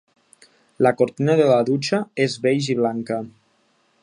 La cortina de la dutxa és beix i blanca.